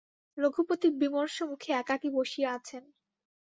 রঘুপতি বিমর্ষ মুখে একাকী বসিয়া আছেন।